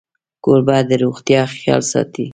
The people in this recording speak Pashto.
کوربه د روغتیا خیال ساتي.